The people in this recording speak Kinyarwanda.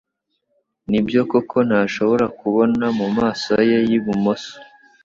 Nibyo koko ntashobora kubona mumaso ye yibumoso?